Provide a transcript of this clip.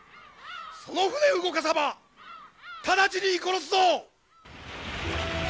その船動かさば直ちに射殺すぞ！